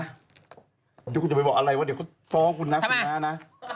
เดี๋ยวคุณจะไปบอกอะไรว่าเดี๋ยวเขาฟ้องคุณนะคุณน้านะ